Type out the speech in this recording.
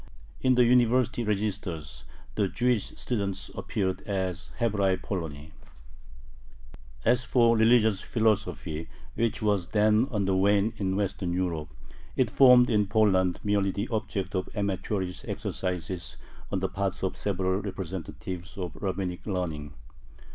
In the university registers the Jewish students appeared as Hebraei Poloni. As for religious philosophy, which was then on the wane in Western Europe, it formed in Poland merely the object of amateurish exercises on the part of several representatives of Rabbinic learning.